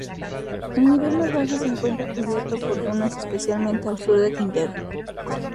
El nivel más bajo se encuentra cubierto por dunas, especialmente al sur de Quintero.